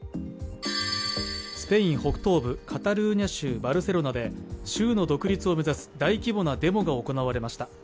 スペイン北東部カタルーニャ州バルセロナで、州の独立を目指す大規模なデモが行われました。